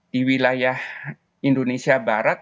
di wilayah indonesia barat